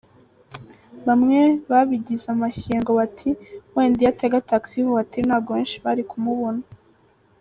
Bamwe babigize amashyengo bati " Wenda iyo atega taxi voiture ntabwo benshi bari kumubona" .